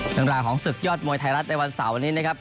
เรื่องราวของศึกยอดมวยไทยรัฐในวันเสาร์นี้นะครับ